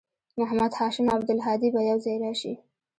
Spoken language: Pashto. محمد هاشم او عبدالهادي به یوځای راشي